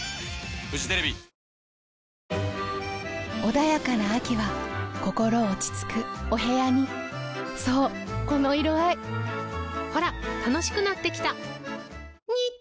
穏やかな秋は心落ち着くお部屋にそうこの色合いほら楽しくなってきた！